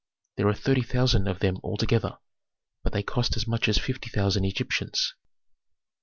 There are thirty thousand of them altogether, but they cost as much as fifty thousand Egyptians."